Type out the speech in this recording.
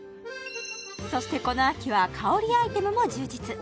そしてこの秋は香りアイテムも充実